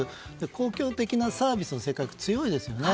公共的なサービスの性格が強いですよね。